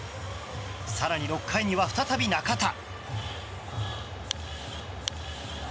更に６回には再び中田。